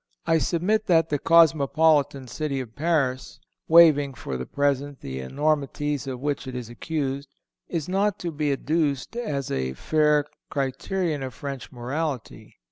I submit that the cosmopolitan city of Paris (waiving, for the present, the enormities of which it is accused), is not to be adduced as a fair criterion of French morality.